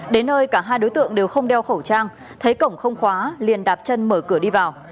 đến nơi cả hai đối tượng đều không đeo khẩu trang thấy cổng không khóa liền đạp chân mở cửa đi vào